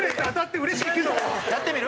やってみる？